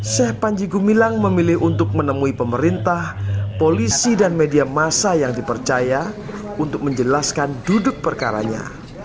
sheikh panji gumilang memilih untuk menemui pemerintah polisi dan media masa yang dipercaya untuk menjelaskan duduk perkaranya